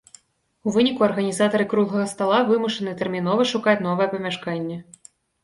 У выніку, арганізатары круглага стала вымушаныя тэрмінова шукаць новае памяшканне.